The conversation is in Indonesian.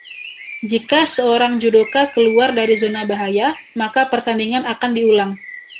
Jika seorang judoka keluar dari zona bahaya maka pertandingan akan diulang.